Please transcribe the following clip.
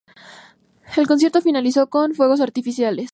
El concierto finalizó con fuegos artificiales.